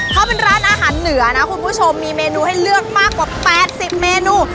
เขาเป็นร้านอาหารเหนือนะคุณผู้ชมมีเมนูให้เลือกมากกว่า๘๐เมนู